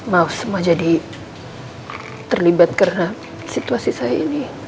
ma'us mau jadi terlibat karena situasi saya ini